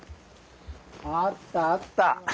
あったあった。